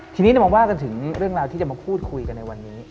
ทีนี้เรามาว่ากันถึงเรื่องราวที่จะมาพูดคุยกันในวันนี้